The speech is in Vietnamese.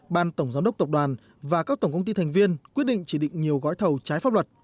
ban tổng giám đốc tập đoàn và các tổng công ty thành viên quyết định chỉ định nhiều gói thầu trái pháp luật